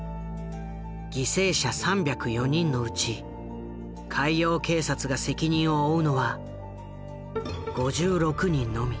犠牲者３０４人のうち海洋警察が責任を負うのは５６人のみ。